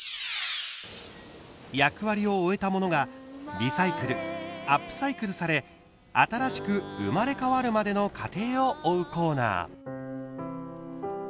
役割を終えたものがリサイクル、アップサイクルされ新しく生まれ変わるまでの過程を追うコーナー。